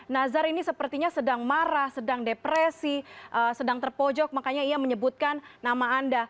nazar ini sepertinya sedang marah sedang depresi sedang terpojok makanya ia menyebutkan nama anda